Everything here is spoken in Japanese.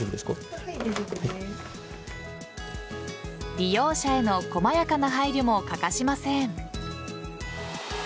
利用者への細やかな配慮も欠かしません。